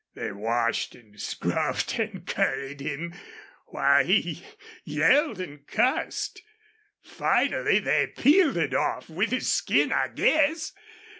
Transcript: They washed an' scrubbed an' curried him, while he yelled an' cussed. Finally they peeled it off, with his skin I guess.